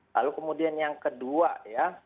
lalu kemudian yang kedua ya